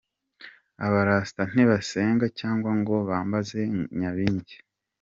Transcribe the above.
Aba-Rasta ntibasenga cyangwa ngo bambaze Nyabingi.